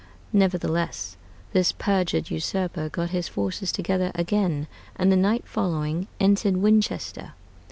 Nevertheless, this perjured usurper got his forces together again, and the night following entered Winchester.